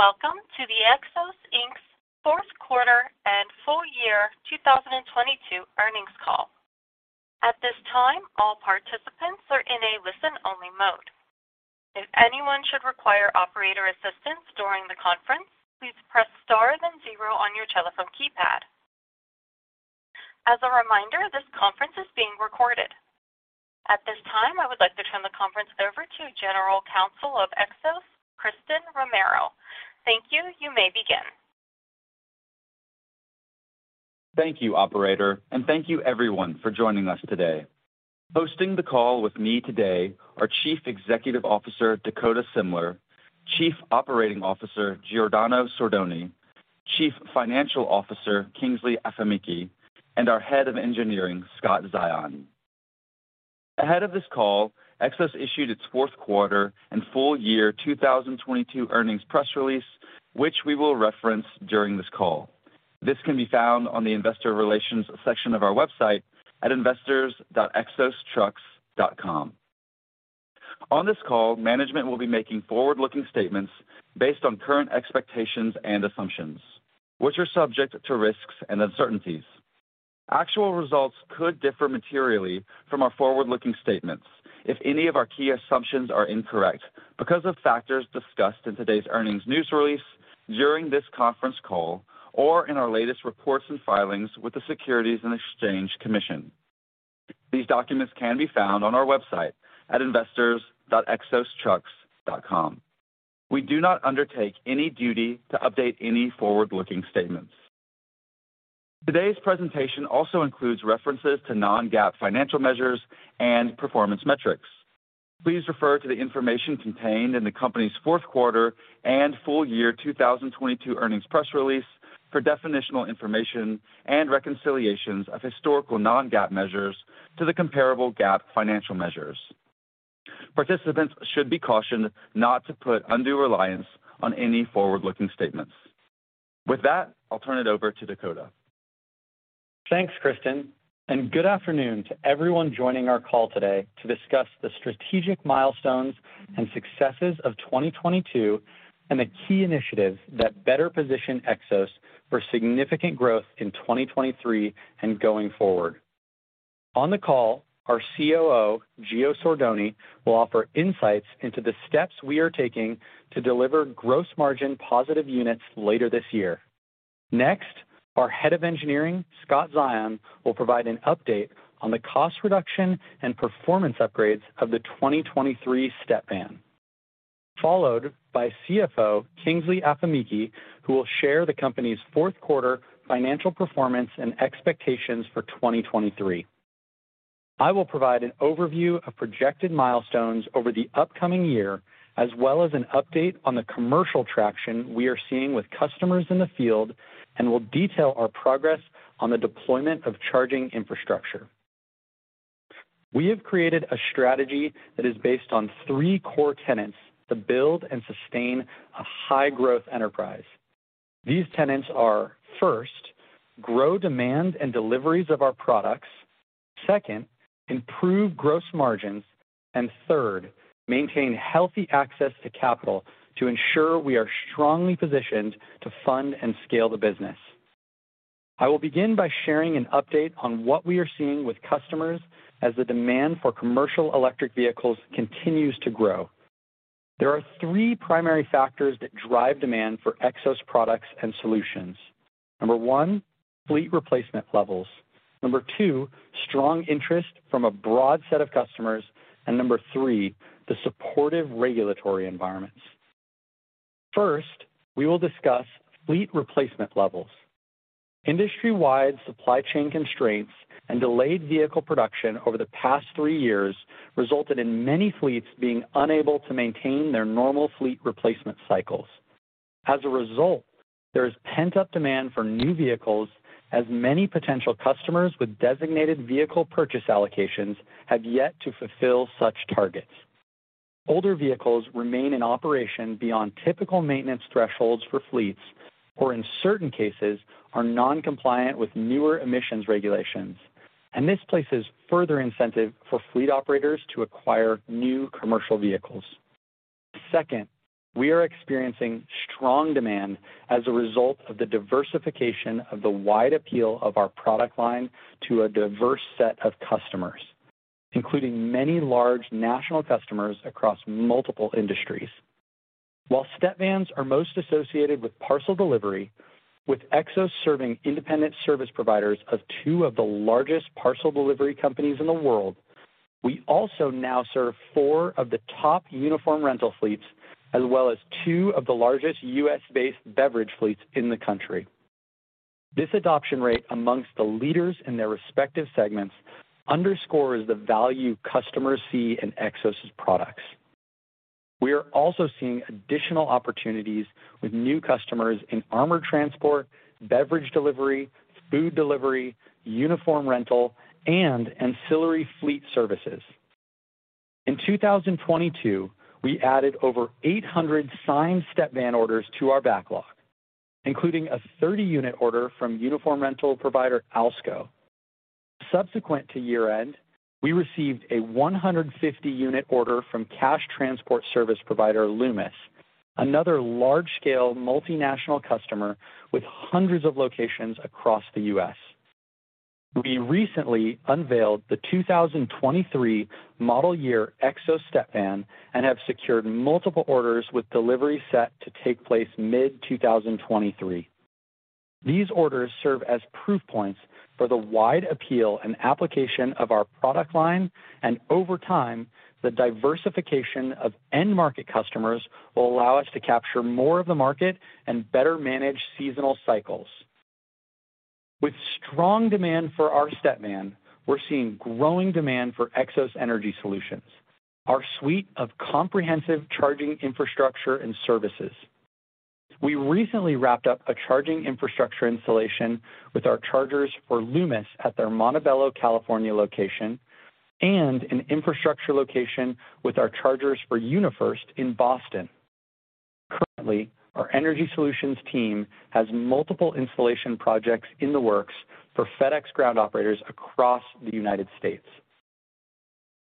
Greetings and welcome to the Xos, Inc.'s fourth quarter and full year 2022 earnings call. At this time, all participants are in a listen-only mode. If anyone should require operator assistance during the conference, please press star then zero on your telephone keypad. As a reminder, this conference is being recorded. At this time, I would like to turn the conference over to General Counsel of Xos, Christen Romero. Thank you. You may begin. Thank you, operator, and thank you everyone for joining us today. Hosting the call with me today are Chief Executive Officer, Dakota Semler, Chief Operating Officer, Giordano Sordoni, Chief Financial Officer, Kingsley Afemikhe, and our Head of Engineering, Scott Zion. Ahead of this call, Xos issued its fourth quarter and full year 2022 earnings press release, which we will reference during this call. This can be found on the investor relations section of our website at investors.xostrucks.com. On this call, management will be making forward-looking statements based on current expectations and assumptions, which are subject to risks and uncertainties. Actual results could differ materially from our forward-looking statements if any of our key assumptions are incorrect because of factors discussed in today's earnings news release, during this conference call, or in our latest reports and filings with the Securities and Exchange Commission. These documents can be found on our website at investors.xostrucks.com. We do not undertake any duty to update any forward-looking statements. Today's presentation also includes references to non-GAAP financial measures and performance metrics. Please refer to the information contained in the company's fourth quarter and full year 2022 earnings press release for definitional information and reconciliations of historical non-GAAP measures to the comparable GAAP financial measures. Participants should be cautioned not to put undue reliance on any forward-looking statements. With that, I'll turn it over to Dakota. Thanks, Christen. Good afternoon to everyone joining our call today to discuss the strategic milestones and successes of 2022 and the key initiatives that better position Xos for significant growth in 2023 and going forward. On the call, our COO, Gio Sordoni, will offer insights into the steps we are taking to deliver gross margin positive units later this year. Next, our Head of Engineering, Scott Zion, will provide an update on the cost reduction and performance upgrades of the 2023 Xos Stepvan, followed by CFO Kingsley Afemikhe, who will share the company's fourth quarter financial performance and expectations for 2023. I will provide an overview of projected milestones over the upcoming year, as well as an update on the commercial traction we are seeing with customers in the field. Will detail our progress on the deployment of charging infrastructure. We have created a strategy that is based on three core tenets to build and sustain a high-growth enterprise. These tenets are, first, grow demand and deliveries of our products. Second, improve gross margins. Third, maintain healthy access to capital to ensure we are strongly positioned to fund and scale the business. I will begin by sharing an update on what we are seeing with customers as the demand for commercial electric vehicles continues to grow. There are three primary factors that drive demand for Xos products and solutions. Number one, fleet replacement levels. Number two, strong interest from a broad set of customers. Number three, the supportive regulatory environments. First, we will discuss fleet replacement levels. Industry-wide supply chain constraints and delayed vehicle production over the past three years resulted in many fleets being unable to maintain their normal fleet replacement cycles. As a result, there is pent-up demand for new vehicles as many potential customers with designated vehicle purchase allocations have yet to fulfill such targets. Older vehicles remain in operation beyond typical maintenance thresholds for fleets, or in certain cases, are non-compliant with newer emissions regulations. This places further incentive for fleet operators to acquire new commercial vehicles. Second, we are experiencing strong demand as a result of the diversification of the wide appeal of our product line to a diverse set of customers, including many large national customers across multiple industries. While stepvans are most associated with parcel delivery, with Xos serving independent service providers of two of the largest parcel delivery companies in the world, we also now serve four of the top uniform rental fleets, as well as two of the largest US-based beverage fleets in the country. This adoption rate amongst the leaders in their respective segments underscores the value customers see in Xos's products. We are also seeing additional opportunities with new customers in armored transport, beverage delivery, food delivery, uniform rental, and ancillary fleet services. In 2022, we added over 800 signed stepvan orders to our backlog, including a 30-unit order from uniform rental provider Alsco. Subsequent to year-end, we received a 150-unit order from cash transport service provider Loomis, another large-scale multinational customer with hundreds of locations across the US. We recently unveiled the 2023 model year Xos Stepvan and have secured multiple orders with delivery set to take place mid-2023. These orders serve as proof points for the wide appeal and application of our product line, and over time, the diversification of end market customers will allow us to capture more of the market and better manage seasonal cycles. With strong demand for our stepvan, we're seeing growing demand for Xos Energy Solutions, our suite of comprehensive charging infrastructure and services. We recently wrapped up a charging infrastructure installation with our chargers for Loomis at their Montebello, California location and an infrastructure location with our chargers for UniFirst in Boston. Currently, our energy solutions team has multiple installation projects in the works for FedEx Ground operators across the United States.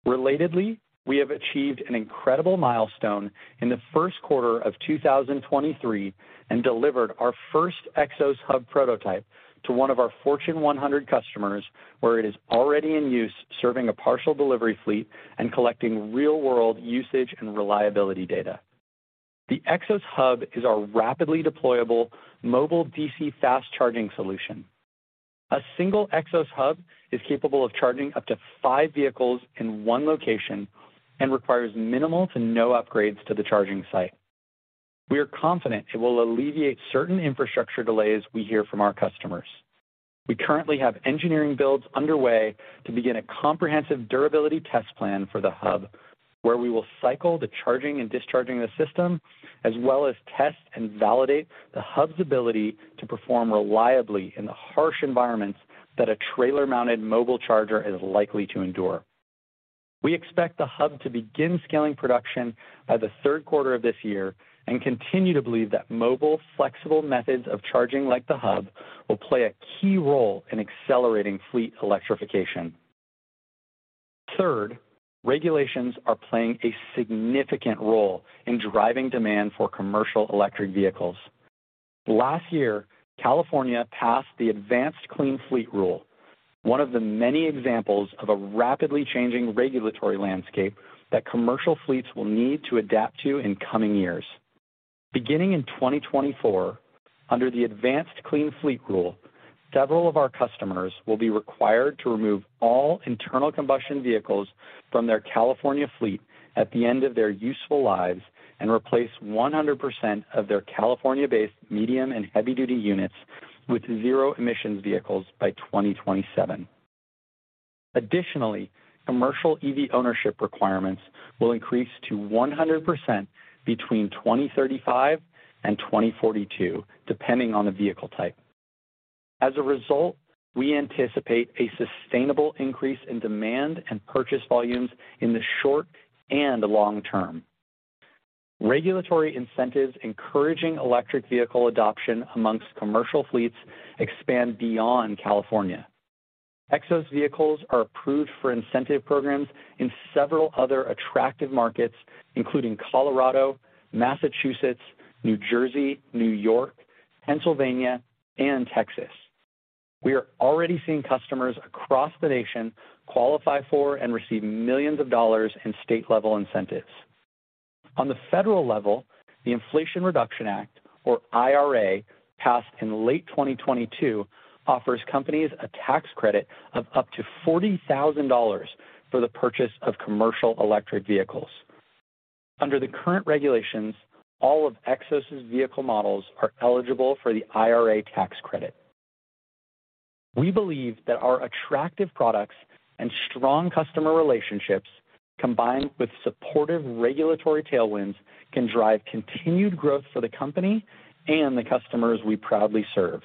Relatedly, we have achieved an incredible milestone in the first quarter of 2023 and delivered our first Xos Hub prototype to one of our Fortune 100 customers, where it is already in use serving a partial delivery fleet and collecting real-world usage and reliability data. The Xos Hub is our rapidly deployable mobile DC fast charging solution. A single Xos Hub is capable of charging up to five vehicles in one location and requires minimal to no upgrades to the charging site. We are confident it will alleviate certain infrastructure delays we hear from our customers. We currently have engineering builds underway to begin a comprehensive durability test plan for the Hub, where we will cycle the charging and discharging the system, as well as test and validate the Hub's ability to perform reliably in the harsh environments that a trailer-mounted mobile charger is likely to endure. We expect the Hub to begin scaling production by the third quarter of this year and continue to believe that mobile flexible methods of charging, like the Hub, will play a key role in accelerating fleet electrification. Third, regulations are playing a significant role in driving demand for commercial electric vehicles. Last year, California passed the Advanced Clean Fleets, one of the many examples of a rapidly changing regulatory that commercial fleets will need to adapt to in coming years. Beginning in 2024, under the Advanced Clean Fleets rule, several of our customers will be required to remove all internal combustion vehicles from their California fleet at the end of their useful lives and replace 100% of their California-based medium and heavy-duty units with zero emissions vehicles by 2027. Commercial EV ownership requirements will increase to 100% between 2035 and 2042, depending on the vehicle type. As a result, we anticipate a sustainable increase in demand and purchase volumes in the short and long term. Regulatory incentives encouraging electric vehicle adoption amongst commercial fleets expand beyond California. Xos vehicles are approved for incentive programs in several other attractive markets, including Colorado, Massachusetts, New Jersey, New York, Pennsylvania, and Texas. We are already seeing customers across the nation qualify for and receive millions of dollars in state level incentives. On the federal level, the Inflation Reduction Act, or IRA, passed in late 2022, offers companies a tax credit of up to $40,000 for the purchase of commercial electric vehicles. Under the current regulations, all of Xos's vehicle models are eligible for the IRA tax credit. We believe that our attractive products and strong customer relationships, combined with supportive regulatory tailwinds, can drive continued growth for the company and the customers we proudly serve.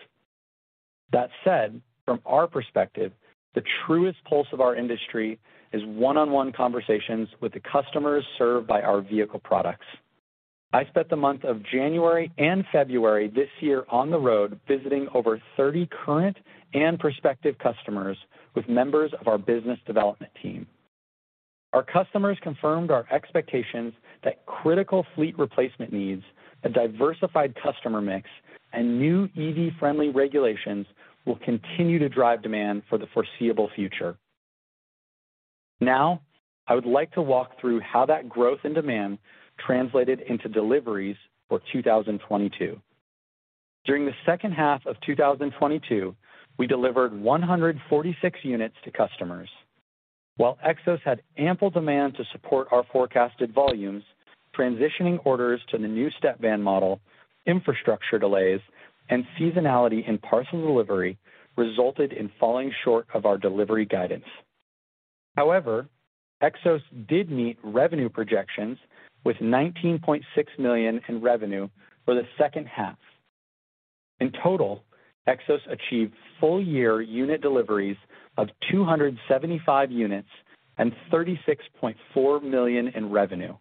That said, from our perspective, the truest pulse of our industry is one-on-one conversations with the customers served by our vehicle products. I spent the month of January and February this year on the road, visiting over 30 current and prospective customers with members of our business development team. Our customers confirmed our expectations that critical fleet replacement needs, a diversified customer mix, and new EV-friendly regulations will continue to drive demand for the foreseeable future. Now, I would like to walk through how that growth and demand translated into deliveries for 2022. During the second half of 2022, we delivered 146 units to customers. While Xos had ample demand to support our forecasted volumes, transitioning orders to the new stepvan model, infrastructure delays, and seasonality in parcel delivery resulted in falling short of our delivery guidance. However, Xos did meet revenue projections with $19.6 million in revenue for the second half. In total, Xos achieved full year unit deliveries of 275 units and $36.4 million in revenue.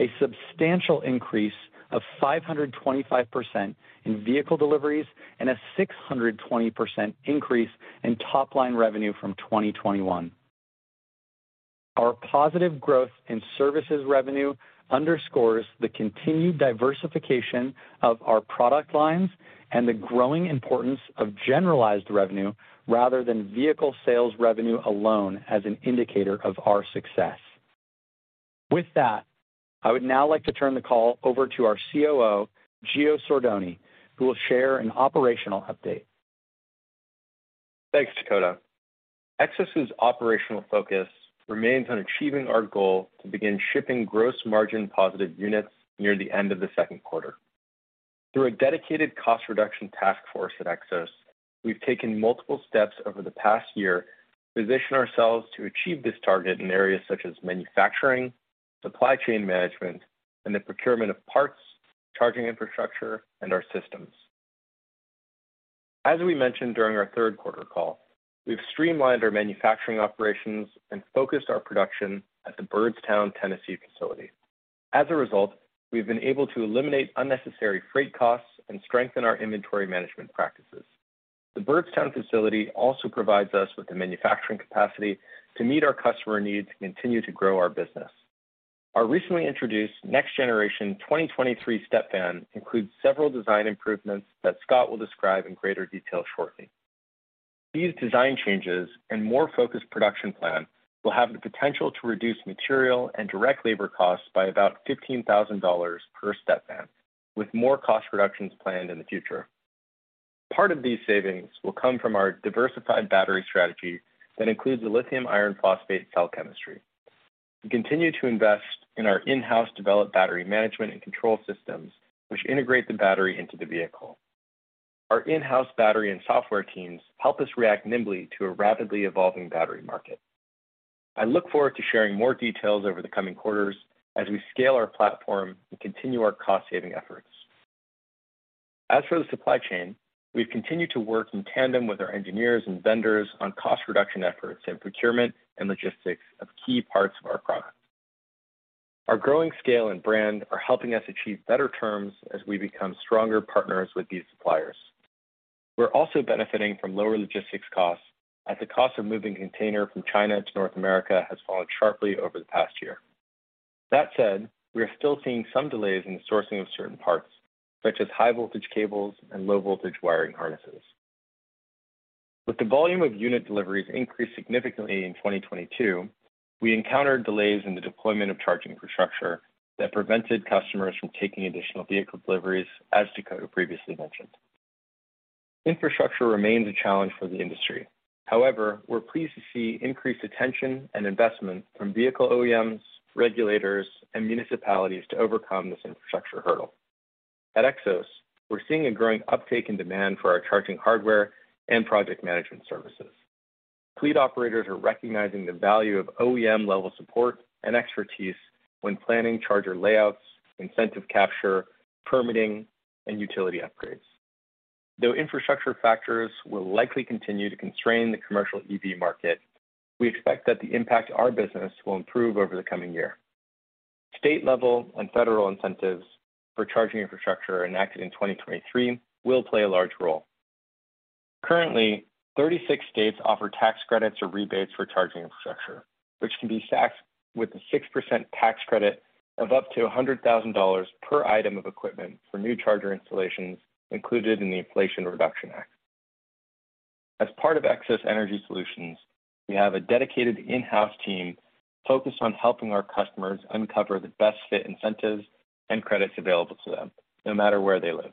A substantial increase of 525% in vehicle deliveries and a 620% increase in top line revenue from 2021. Our positive growth in services revenue underscores the continued diversification of our product lines and the growing importance of generalized revenue rather than vehicle sales revenue alone as an indicator of our success. With that, I would now like to turn the call over to our COO, Gio Sordoni, who will share an operational update. Thanks, Dakota. Xos' operational focus remains on achieving our goal to begin shipping gross margin positive units near the end of the second quarter. Through a dedicated cost reduction task force at Xos, we've taken multiple steps over the past year to position ourselves to achieve this target in areas such as manufacturing, supply chain management, and the procurement of parts, charging infrastructure, and our systems. As we mentioned during our third quarter call, we've streamlined our manufacturing operations and focused our production at the Byrdstown, Tennessee facility. As a result, we've been able to eliminate unnecessary freight costs and strengthen our inventory management practices. The Byrdstown facility also provides us with the manufacturing capacity to meet our customer needs and continue to grow our business. Our recently introduced next generation 2023 stepvan includes several design improvements that Scott will describe in greater detail shortly. These design changes and more focused production plan will have the potential to reduce material and direct labor costs by about $15,000 per step van, with more cost reductions planned in the future. Part of these savings will come from our diversified battery strategy that includes the lithium iron phosphate cell chemistry. We continue to invest in our in-house developed battery management and control systems, which integrate the battery into the vehicle. Our in-house battery and software teams help us react nimbly to a rapidly evolving battery market. I look forward to sharing more details over the coming quarters as we scale our platform and continue our cost saving efforts. As for the supply chain, we've continued to work in tandem with our engineers and vendors on cost reduction efforts and procurement and logistics of key parts of our product. Our growing scale and brand are helping us achieve better terms as we become stronger partners with these suppliers. We're also benefiting from lower logistics costs as the cost of moving container from China to North America has fallen sharply over the past year. That said, we are still seeing some delays in the sourcing of certain parts, such as high voltage cables and low voltage wiring harnesses. With the volume of unit deliveries increased significantly in 2022, we encountered delays in the deployment of charging infrastructure that prevented customers from taking additional vehicle deliveries, as Dakota previously mentioned. Infrastructure remains a challenge for the industry. However, we're pleased to see increased attention and investment from vehicle OEMs, regulators, and municipalities to overcome this infrastructure hurdle. At Xos, we're seeing a growing uptake in demand for our charging hardware and project management services. Fleet operators are recognizing the value of OEM-level support and expertise when planning charger layouts, incentive capture, permitting, and utility upgrades. Though infrastructure factors will likely continue to constrain the commercial EV market, we expect that the impact to our business will improve over the coming year. State level and federal incentives for charging infrastructure enacted in 2023 will play a large role. Currently, 36 states offer tax credits or rebates for charging infrastructure, which can be stacked with a 6% tax credit of up to $100,000 per item of equipment for new charger installations included in the Inflation Reduction Act. As part of Xos Energy Solutions, we have a dedicated in-house team focused on helping our customers uncover the best fit incentives and credits available to them, no matter where they live.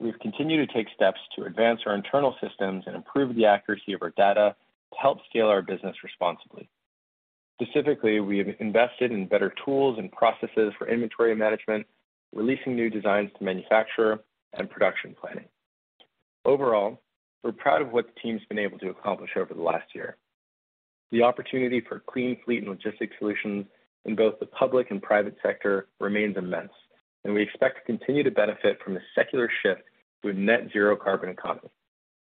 We've continued to take steps to advance our internal systems and improve the accuracy of our data to help scale our business responsibly. Specifically, we have invested in better tools and processes for inventory management, releasing new designs to manufacturer, and production planning. Overall, we're proud of what the team's been able to accomplish over the last year. The opportunity for clean fleet and logistics solutions in both the public and private sector remains immense, and we expect to continue to benefit from the secular shift to a net zero carbon economy.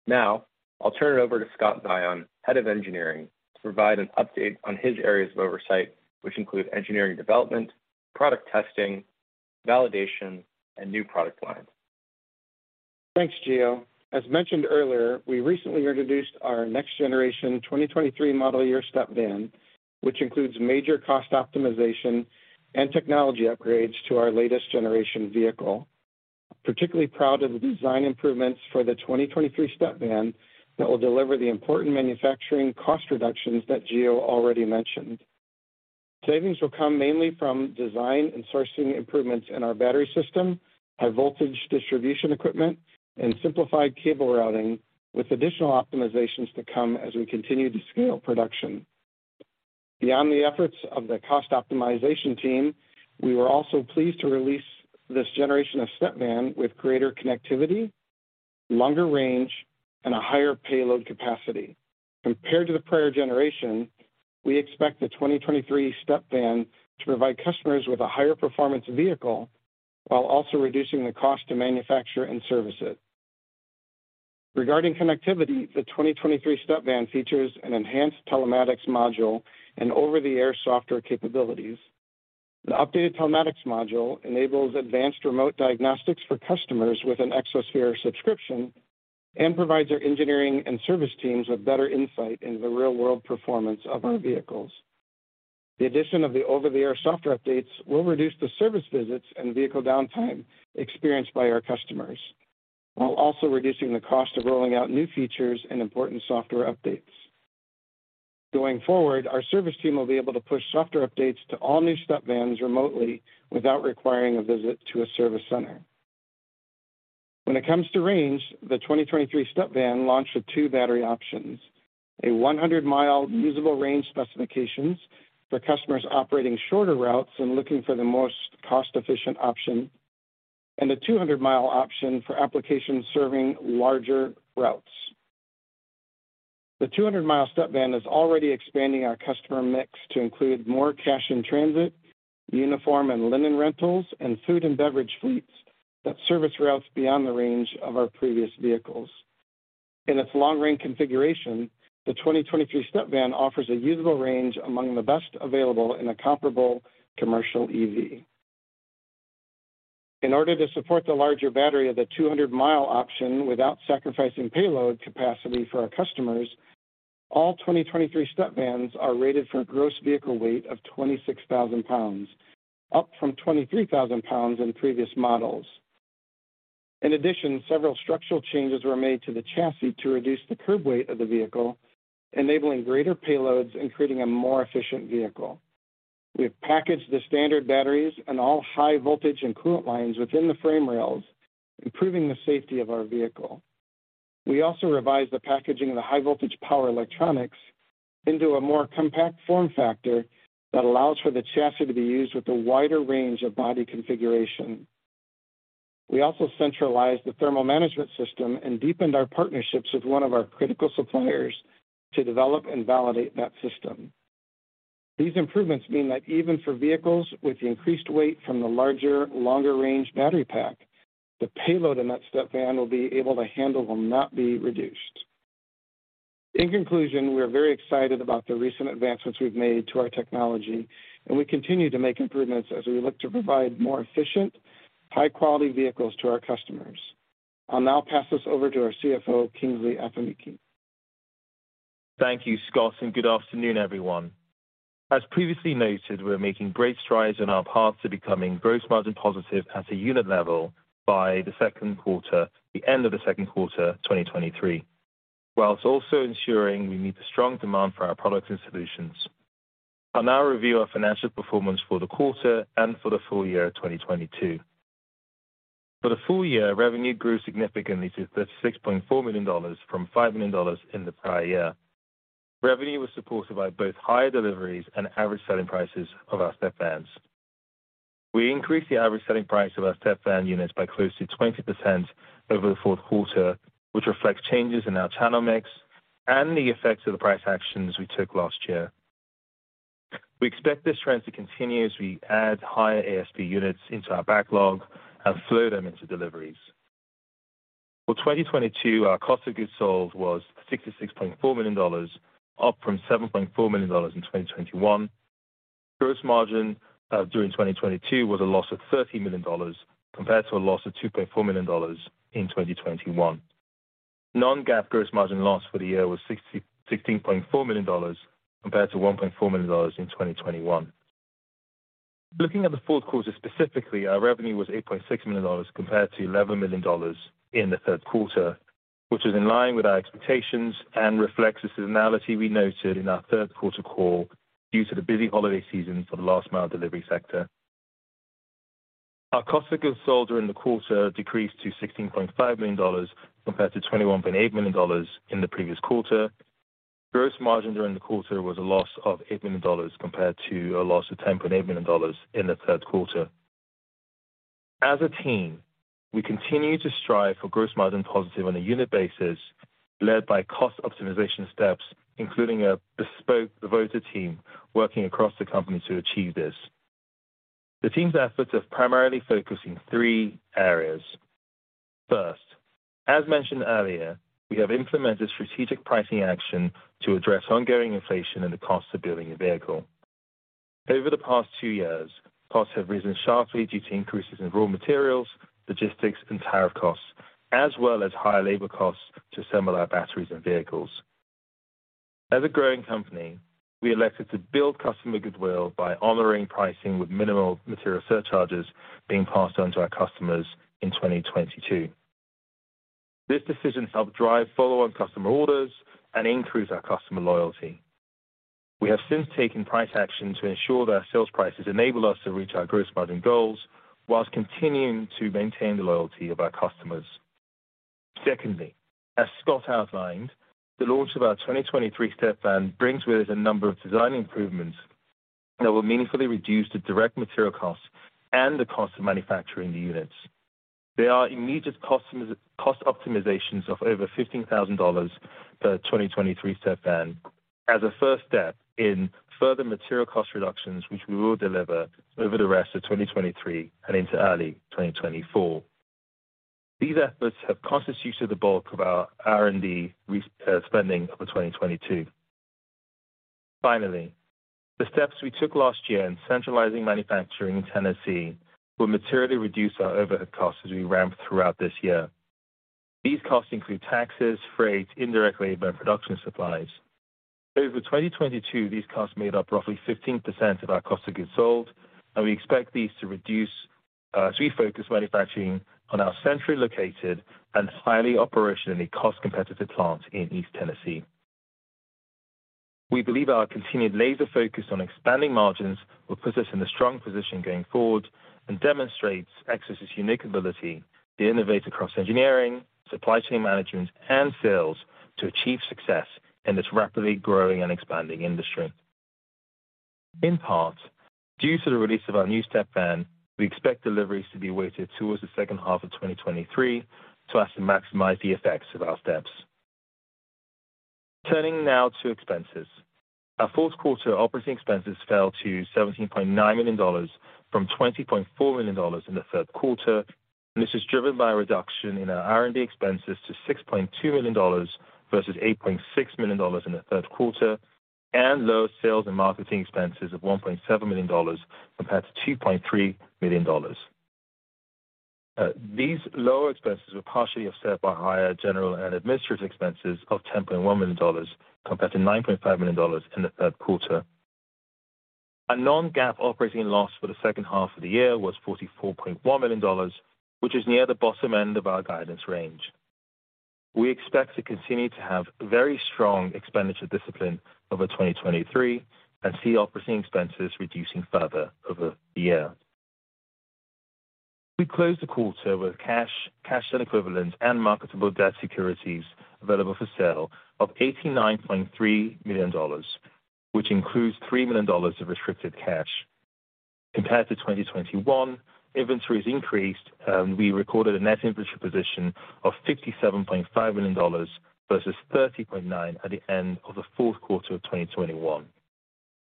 Now, I'll turn it over to Scott Zion, Head of Engineering, to provide an update on his areas of oversight, which include engineering development, product testing, validation, and new product lines. Thanks, Gio. As mentioned earlier, we recently introduced our next generation 2023 model year step van, which includes major cost optimization and technology upgrades to our latest generation vehicle. Particularly proud of the design improvements for the 2023 step van that will deliver the important manufacturing cost reductions that Gio already mentioned. Savings will come mainly from design and sourcing improvements in our battery system, high voltage distribution equipment, and simplified cable routing with additional optimizations to come as we continue to scale production. Beyond the efforts of the cost optimization team, we were also pleased to release this generation of stepvan with greater connectivity, longer range, and a higher payload capacity. Compared to the prior generation, we expect the 2023 Xos Stepvan to provide customers with a higher performance vehicle while also reducing the cost to manufacture and service it. Regarding connectivity, the 2023 Xos Stepvan features an enhanced telematics module and over-the-air software capabilities. The updated telematics module enables advanced remote diagnostics for customers with an Xosphere subscription and provides our engineering and service teams with better insight into the real-world performance of our vehicles. The addition of the over-the-air software updates will reduce the service visits and vehicle downtime experienced by our customers, while also reducing the cost of rolling out new features and important software updates. Going forward, our service team will be able to push software updates to all new Xos Stepvans remotely without requiring a visit to a service center. When it comes to range, the 2023 Xos Stepvan launched with two battery options. A 100-mile usable range specifications for customers operating shorter routes and looking for the most cost-efficient option, and a 200-mile option for applications serving larger routes. The 200-mile Stepvan is already expanding our customer mix to include more cash in transit, uniform and linen rentals, and food and beverage fleets that service routes beyond the range of our previous vehicles. In its long-range configuration, the 2023 Stepvan offers a usable range among the best available in a comparable commercial EV. In order to support the larger battery of the 200-mile option without sacrificing payload capacity for our customers, all 2023 Stepvans are rated for a gross vehicle weight of 26,000 pounds, up from 23,000 pounds in previous models. In addition, several structural changes were made to the chassis to reduce the curb weight of the vehicle, enabling greater payloads and creating a more efficient vehicle. We have packaged the standard batteries and all high voltage and coolant lines within the frame rails, improving the safety of our vehicle. We also revised the packaging of the high voltage power electronics into a more compact form factor that allows for the chassis to be used with a wider range of body configuration. We also centralized the thermal management system and deepened our partnerships with one of our critical suppliers to develop and validate that system. These improvements mean that even for vehicles with the increased weight from the larger, longer-range battery pack, the payload in that stepvan will be able to handle will not be reduced. In conclusion, we are very excited about the recent advancements we've made to our technology. We continue to make improvements as we look to provide more efficient, high-quality vehicles to our customers. I'll now pass this over to our CFO, Kingsley Afemikhe. Thank you, Scott. Good afternoon, everyone. As previously noted, we're making great strides in our path to becoming gross margin positive at a unit level by the second quarter, the end of the second quarter, 2023, whilst also ensuring we meet the strong demand for our products and solutions. I'll now review our financial performance for the quarter and for the full year of 2022. For the full year, revenue grew significantly to $36.4 million from $5 million in the prior year. Revenue was supported by both higher deliveries and average selling prices of our stepvans. We increased the average selling price of our stepvan units by close to 20% over the fourth quarter, which reflects changes in our channel mix and the effects of the price actions we took last year. We expect this trend to continue as we add higher ASP units into our backlog and flow them into deliveries. For 2022, our cost of goods sold was $66.4 million, up from $7.4 million in 2021. Gross margin during 2022 was a loss of $13 million compared to a loss of $2.4 million in 2021. Non-GAAP gross margin loss for the year was $66.4 million compared to $1.4 million in 2021. Looking at the fourth quarter specifically, our revenue was $8.6 million compared to $11 million in the third quarter, which is in line with our expectations and reflects the seasonality we noted in our third quarter call due to the busy holiday season for the last mile delivery sector. Our cost of goods sold during the quarter decreased to $16.5 million compared to $21.8 million in the previous quarter. Gross margin during the quarter was a loss of $8 million compared to a loss of $10.8 million in the third quarter. As a team, we continue to strive for gross margin positive on a unit basis, led by cost optimization steps, including a bespoke devoted team working across the company to achieve this. The team's efforts are primarily focused in three areas. First, as mentioned earlier, we have implemented strategic pricing action to address ongoing inflation and the cost of building a vehicle. Over the past two years, costs have risen sharply due to increases in raw materials, logistics, and tariff costs, as well as higher labor costs to assemble our batteries and vehicles. As a growing company, we elected to build customer goodwill by honoring pricing with minimal material surcharges being passed on to our customers in 2022. This decision helped drive follow-on customer orders and increased our customer loyalty. We have since taken price action to ensure that our sales prices enable us to reach our gross margin goals while continuing to maintain the loyalty of our customers. As Scott outlined, the launch of our 2023 Xos Stepvan brings with it a number of design improvements that will meaningfully reduce the direct material costs and the cost of manufacturing the units. There are immediate cost optimizations of over $15,000. The 2023 Xos stepvan as a first step in further material cost reductions, which we will deliver over the rest of 2023 and into early 2024. These efforts have constituted the bulk of our R&D spending over 2022. Finally, the steps we took last year in centralizing manufacturing in Tennessee will materially reduce our overhead costs as we ramp throughout this year. These costs include taxes, freight, indirect labor, production supplies. Over 2022, these costs made up roughly 15% of our cost of goods sold, and we expect these to reduce as we focus manufacturing on our centrally located and highly operationally cost-competitive plant in East Tennessee. We believe our continued laser focus on expanding margins will put us in a strong position going forward and demonstrates Xos' unique ability to innovate across engineering, supply chain management, and sales to achieve success in this rapidly growing and expanding industry. In part, due to the release of our new Stepvan, we expect deliveries to be weighted towards the second half of 2023 so as to maximize the effects of our steps. Turning now to expenses. Our fourth quarter operating expenses fell to $17.9 million from $20.4 million in the third quarter, this is driven by a reduction in our R&D expenses to $6.2 million versus $8.6 million in the third quarter, lower sales and marketing expenses of $1.7 million compared to $2.3 million. These lower expenses were partially offset by higher general and administrative expenses of $10.1 million compared to $9.5 million in the third quarter. Our non-GAAP operating loss for the second half of the year was $44.1 million, which is near the bottom end of our guidance range. We expect to continue to have very strong expenditure discipline over 2023 and see operating expenses reducing further over the year. We closed the quarter with cash and equivalents and marketable debt securities available for sale of $89.3 million, which includes $3 million of restricted cash. Compared to 2021, inventories increased, we recorded a net inventory position of $57.5 million versus $30.9 million at the end of the fourth quarter of 2021.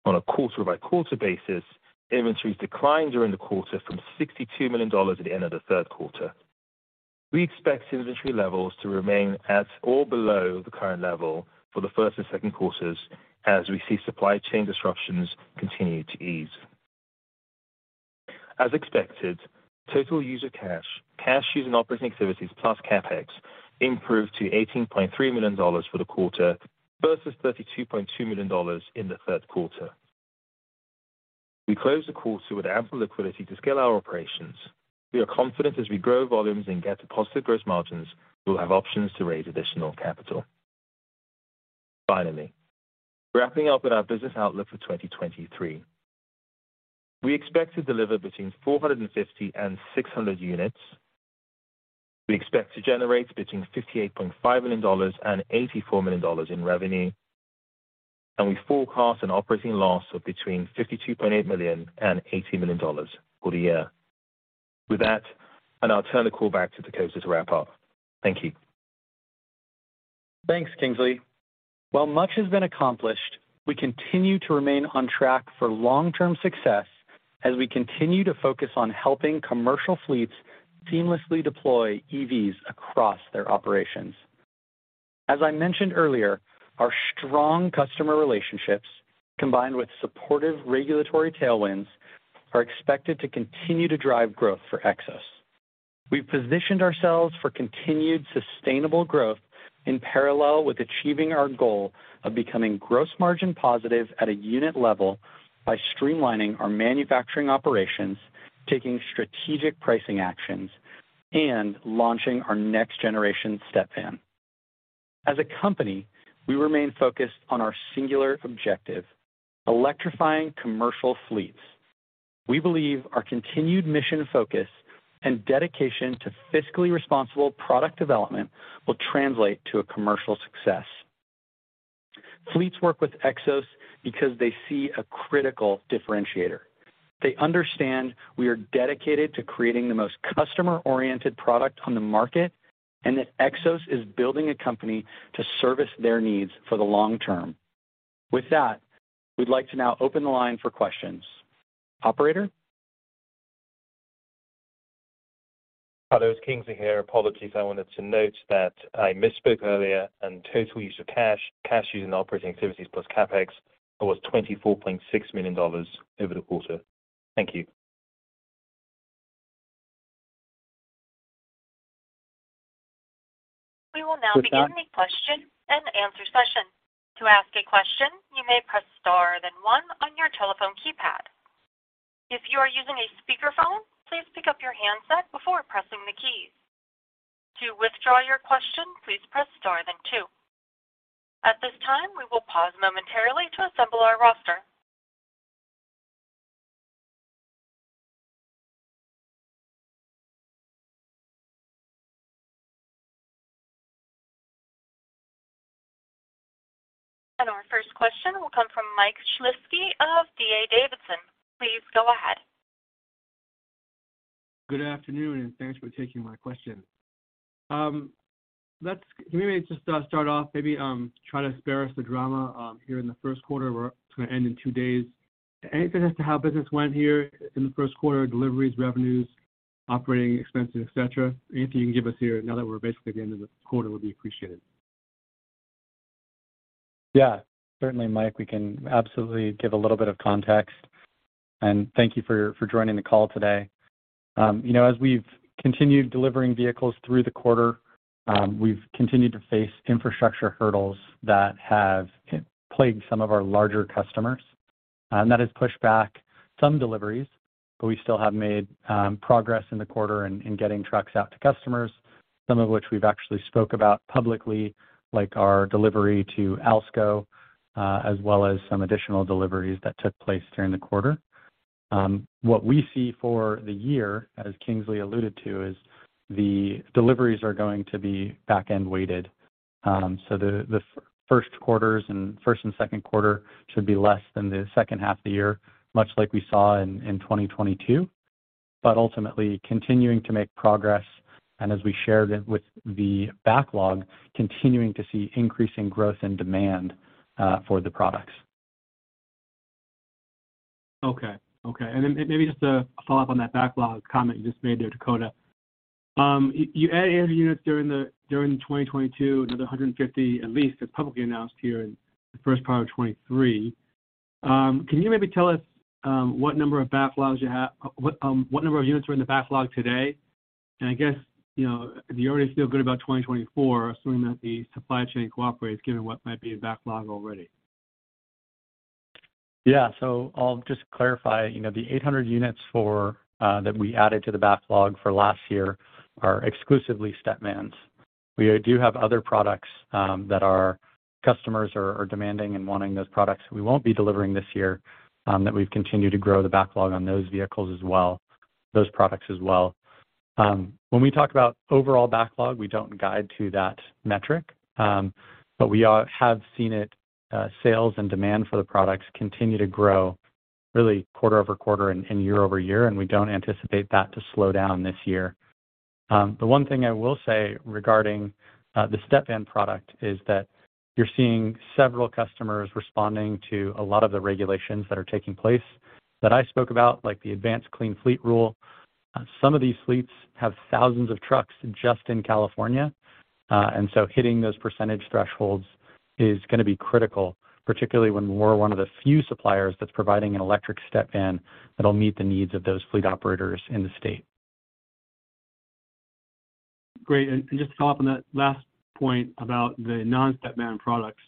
On a quarter-by-quarter basis, inventories declined during the quarter from $62 million at the end of the third quarter. We expect inventory levels to remain at or below the current level for the first and second quarters as we see supply chain disruptions continue to ease. As expected, total user cash using operating activities plus CapEx, improved to $18.3 million for the quarter versus $32.2 million in the third quarter. We closed the quarter with ample liquidity to scale our operations. We are confident as we grow volumes and get to positive gross margins, we'll have options to raise additional capital. Wrapping up with our business outlook for 2023. We expect to deliver between 450 and 600 units. We expect to generate between $58.5 million and $84 million in revenue, and we forecast an operating loss of between $52.8 million and $80 million for the year. With that, I'll turn the call back to Dakota to wrap up. Thank you. Thanks, Kingsley. While much has been accomplished, we continue to remain on track for long-term success as we continue to focus on helping commercial fleets seamlessly deploy EVs across their operations. As I mentioned earlier, our strong customer relationships, combined with supportive regulatory tailwinds, are expected to continue to drive growth for Xos. We've positioned ourselves for continued sustainable growth in parallel with achieving our goal of becoming gross margin positive at a unit level by streamlining our manufacturing operations, taking strategic pricing actions, and launching our next generation Stepvan. As a company, we remain focused on our singular objective, electrifying commercial fleets. We believe our continued mission focus and dedication to fiscally responsible product development will translate to a commercial success. Fleets work with Xos because they see a critical differentiator. They understand we are dedicated to creating the most customer-oriented product on the market and that Xos is building a company to service their needs for the long term. With that, we'd like to now open the line for questions. Operator? Hi, there. It's Kingsley here. Apologies. I wanted to note that I misspoke earlier and total use of cash using operating activities plus CapEx, was $24.6 million over the quarter. Thank you. We will now begin the question and answer session. To ask a question, you may press star then one on your telephone keypad. If you are using a speakerphone, please pick up your handset before pressing the keys. To withdraw your question, please press star then two. At this time, we will pause momentarily to assemble our roster. Our first question will come from Mike Shlisky of D.A. Davidson. Please go ahead. Good afternoon. Thanks for taking my question. Can we maybe just start off, maybe, try to spare us the drama here in the first quarter. We're gonna end in two days. Anything as to how business went here in the first quarter, deliveries, revenues, operating expenses, et cetera. Anything you can give us here now that we're basically at the end of the quarter would be appreciated. Yeah. Certainly, Mike, we can absolutely give a little bit of context. Thank you for joining the call today. You know, as we've continued delivering vehicles through the quarter, we've continued to face infrastructure hurdles that have plagued some of our larger customers, and that has pushed back some deliveries, but we still have made progress in the quarter in getting trucks out to customers, some of which we've actually spoke about publicly, like our delivery to Alsco, as well as some additional deliveries that took place during the quarter. What we see for the year, as Kingsley alluded to, is the deliveries are going to be back-end weighted. The first quarters and first and second quarter should be less than the second half of the year, much like we saw in 2022, ultimately continuing to make progress, and as we shared it with the backlog, continuing to see increasing growth and demand for the products. Okay. Okay. Maybe just a follow-up on that backlog comment you just made there, Dakota. You added 80 units during 2022, another 150 at least as publicly announced here in the first part of 2023. Can you maybe tell us what number of units are in the backlog today? I guess, you know, do you already feel good about 2024, assuming that the supply chain cooperates, given what might be in backlog already? Yeah. I'll just clarify. You know, the 800 units for that we added to the backlog for last year are exclusively stepvans. We do have other products that our customers are demanding and wanting those products we won't be delivering this year, that we've continued to grow the backlog on those vehicles as well, those products as well. When we talk about overall backlog, we don't guide to that metric. We have seen it, sales and demand for the products continue to grow really quarter-over-quarter and year-over-year, and we don't anticipate that to slow down this year. The one thing I will say regarding the stepvan product is that you're seeing several customers responding to a lot of the regulations that are taking place that I spoke about, like the Advanced Clean Fleets rule. Some of these fleets have thousands of trucks just in California, hitting those percentage thresholds is gonna be critical, particularly when we're one of the few suppliers that's providing an electric stepvan that'll meet the needs of those fleet operators in the state. Great. Just to follow up on that last point about the non-Stepvan products.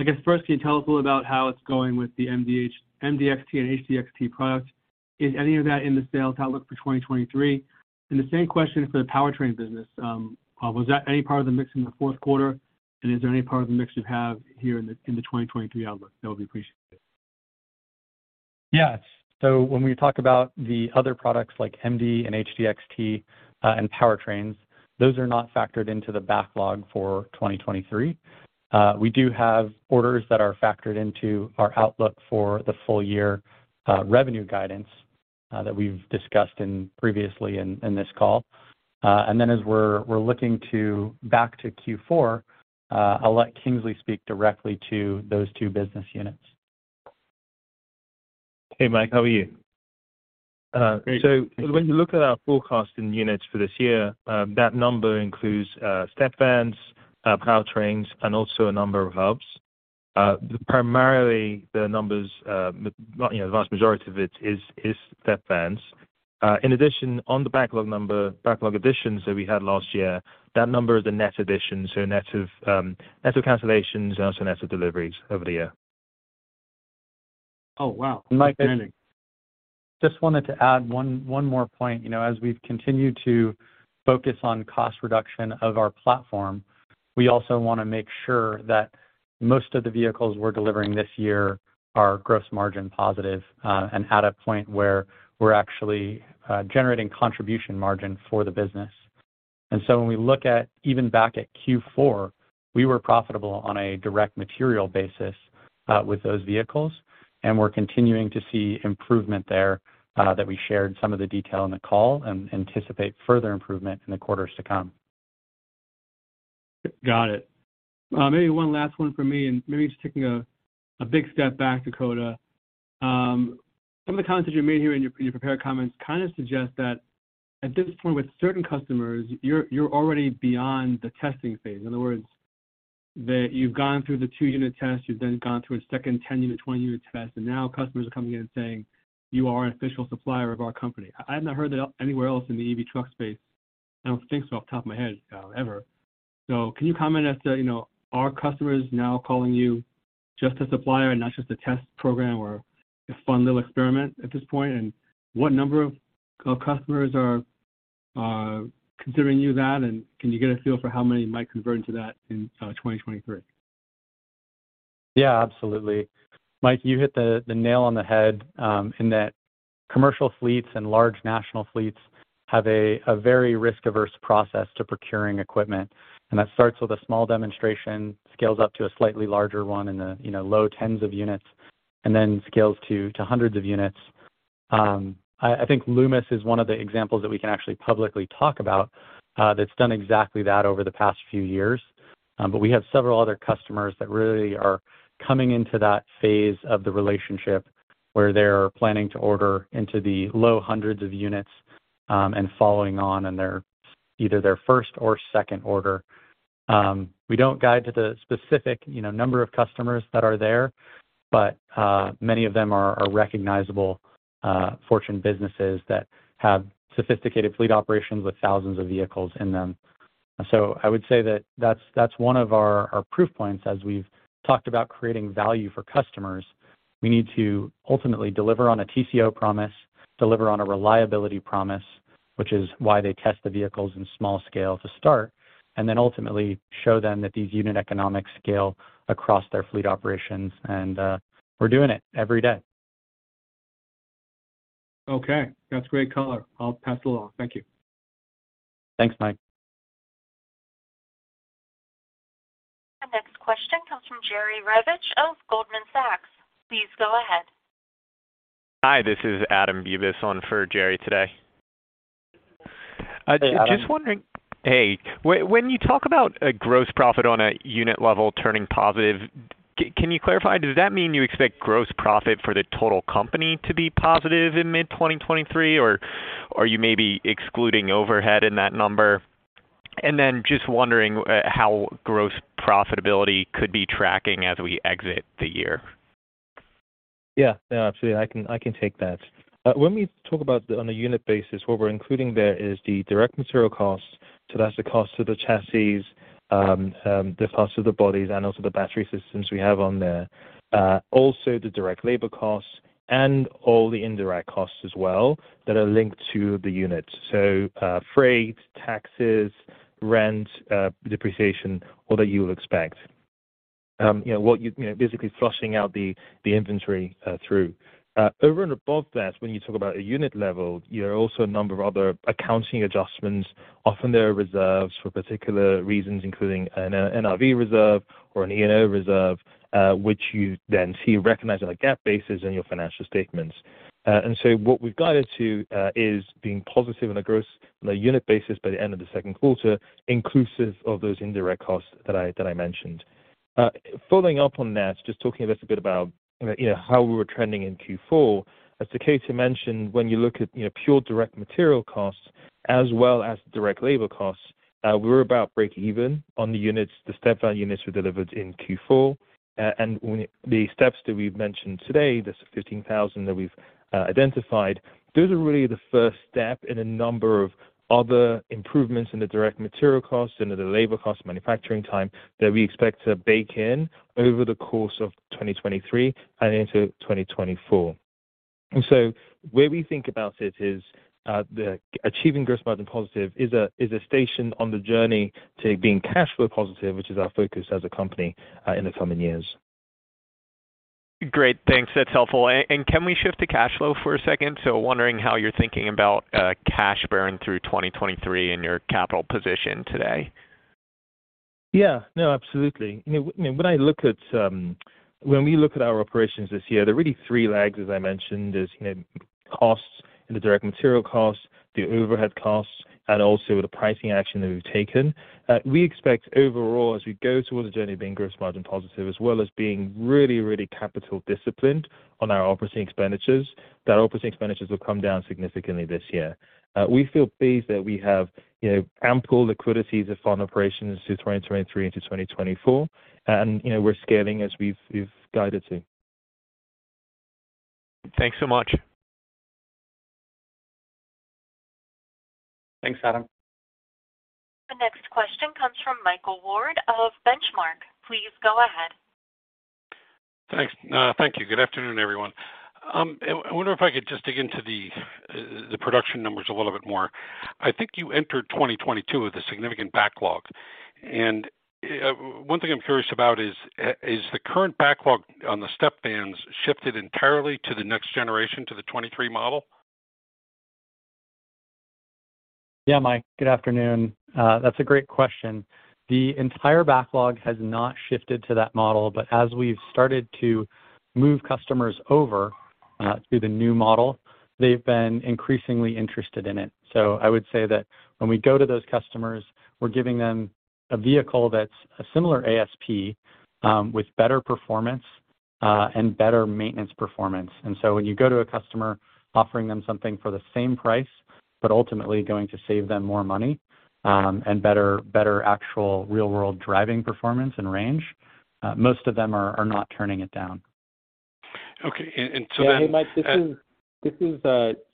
I guess first, can you tell us a little about how it's going with the MDXT and HDXT products? Is any of that in the sales outlook for 2023? The same question for the powertrain business. Was that any part of the mix in the fourth quarter, and is there any part of the mix you have here in the 2023 outlook? That would be appreciated. When we talk about the other products like MD and HDXT and powertrains, those are not factored into the backlog for 2023. We do have orders that are factored into our outlook for the full year revenue guidance that we've discussed previously in this call. As we're looking to back to Q4, I'll let Kingsley speak directly to those two business units. Hey, Mike, how are you? Great. When you look at our forecast in units for this year, that number includes stepvans, powertrains, and also a number of hubs. Primarily the numbers, you know, the vast majority of it is stepvans. In addition, on the backlog number, backlog additions that we had last year, that number is a net addition, so net of, net of cancellations and also net of deliveries over the year. Oh, wow. Mike, I just wanted to add one more point. You know, as we've continued to focus on cost reduction of our platform, we also wanna make sure that most of the vehicles we're delivering this year are gross margin positive, and at a point where we're actually generating contribution margin for the business. When we look at even back at Q4, we were profitable on a direct material basis with those vehicles, and we're continuing to see improvement there that we shared some of the detail in the call, and anticipate further improvement in the quarters to come. Got it. Maybe one last one for me, and maybe just taking a big step back, Dakota. Some of the comments that you made here in your prepared comments kind of suggest that at this point with certain customers, you're already beyond the testing phase. In other words, that you've gone through the two unit test, you've then gone through a second 10-unit, 20-unit test, and now customers are coming in and saying, "You are an official supplier of our company." I have not heard that anywhere else in the EV truck space. I don't think so off the top of my head, ever. Can you comment as to, you know, are customers now calling you just a supplier and not just a test program or a fun little experiment at this point? What number of customers are considering you that, and can you get a feel for how many might convert into that in 2023? Yeah. Absolutely. Mike, you hit the nail on the head, in that commercial fleets and large national fleets have a very risk-averse process to procuring equipment, that starts with a small demonstration, scales up to a slightly larger one in the, you know, low 10s of units. scales to 100s of units. I think Loomis is one of the examples that we can actually publicly talk about, that's done exactly that over the past few years. We have several other customers that really are coming into that phase of the relationship where they're planning to order into the low 100s of units, and following on in either their first or second order. We don't guide to the specific, you know, number of customers that are there, but many of them are recognizable, fortune businesses that have sophisticated fleet operations with thousands of vehicles in them. I would say that's one of our proof points as we've talked about creating value for customers. We need to ultimately deliver on a TCO promise, deliver on a reliability promise, which is why they test the vehicles in small scale to start, and then ultimately show them that these unit economics scale across their fleet operations and, we're doing it every day. Okay. That's great color. I'll pass it along. Thank you. Thanks, Mike. The next question comes from Jerry Revich of Goldman Sachs. Please go ahead. Hi, this is Adam Bubas on for Jerry today. Hey, Adam. Just wondering. Hey. When you talk about a gross profit on a unit level turning positive, can you clarify, does that mean you expect gross profit for the total company to be positive in mid-2023, or are you maybe excluding overhead in that number? Just wondering how gross profitability could be tracking as we exit the year. No, absolutely. I can take that. When we talk about the, on a unit basis, what we're including there is the direct material cost. That's the cost of the chassis, the cost of the bodies, and also the battery systems we have on there. Also the direct labor costs and all the indirect costs as well that are linked to the unit. Freight, taxes, rent, depreciation, all that you would expect. You know, what you know, basically flushing out the inventory through. Over and above that, when you talk about a unit level, there are also a number of other accounting adjustments. Often, there are reserves for particular reasons, including an NRV reserve or an E&O reserve, which you then see recognized on a GAAP basis in your financial statements. What we've guided to is being positive on a gross on a unit basis by the end of the second quarter, inclusive of those indirect costs that I mentioned. Following up on that, just talking a little bit about, you know, how we were trending in Q4. As Dakota mentioned, when you look at, you know, pure direct material costs as well as direct labor costs, we're about break even on the units, the Stepvan units we delivered in Q4. The steps that we've mentioned today, this 15,000 that we've identified, those are really the first step in a number of other improvements in the direct material costs and the labor costs, manufacturing time, that we expect to bake in over the course of 2023 and into 2024. Where we think about it is, the achieving gross margin positive is a station on the journey to being cash flow positive, which is our focus as a company, in the coming years. Great. Thanks. That's helpful. Can we shift to cash flow for a second? Wondering how you're thinking about cash burn through 2023 and your capital position today. Yeah. No, absolutely. You know, when I look at, when we look at our operations this year, there are really three legs, as I mentioned. There's, you know, costs, the direct material costs, the overhead costs, and also the pricing action that we've taken. We expect overall, as we go towards the journey of being gross margin positive, as well as being really, really capital disciplined on our operating expenditures, that operating expenditures will come down significantly this year. We feel pleased that we have, you know, ample liquidity to fund operations through 2023 into 2024. You know, we're scaling as we've guided to. Thanks so much. Thanks, Adam. The next question comes from Michael Ward of Benchmark. Please go ahead. Thanks. Thank you. Good afternoon, everyone. I wonder if I could just dig into the production numbers a little bit more. I think you entered 2022 with a significant backlog. One thing I'm curious about is the current backlog on the stepvans shifted entirely to the next generation, to the 2023 model? Yeah, Mike. Good afternoon. That's a great question. The entire backlog has not shifted to that model, but as we've started to move customers over, to the new model, they've been increasingly interested in it. I would say that when we go to those customers, we're giving them a vehicle that's a similar ASP, with better performance, and better maintenance performance. When you go to a customer offering them something for the same price, but ultimately going to save them more money, and better actual real-world driving performance and range, most of them are not turning it down. Okay. Yeah. Hey, Mike,